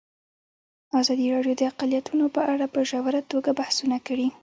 ازادي راډیو د اقلیتونه په اړه په ژوره توګه بحثونه کړي.